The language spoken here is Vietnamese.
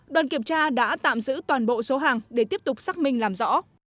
đoàn kiểm tra đã tạm giữ toàn bộ số hàng để tiếp tục xác minh làm rõ